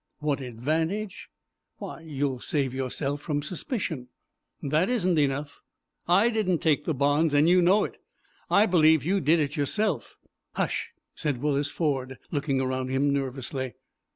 "What advantage? Why, you will save yourself from suspicion." "That isn't enough. I didn't take the bonds, and you know it. I believe you did it yourself." "Hush!" said Willis Ford, looking around him nervously.